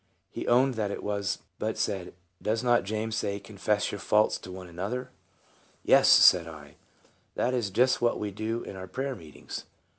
He owned that it was, but said, " Does not James say, 'Confess your faults one to an other'?" "Yes," said I, "that is just what we do in our prayer meetings.